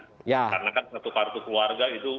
karena kan satu kartu keluarga itu